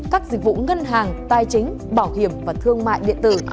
các dịch vụ ngân hàng tài chính bảo hiểm và thương mại điện tử